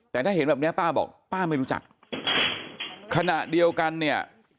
แต่ถ้าเห็นแบบเนี้ยป้าบอกป้าไม่รู้จักขณะเดียวกันเนี่ย